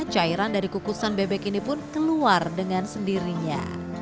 cairan dari kukusan bebek ini pun keluar dengan sendirinya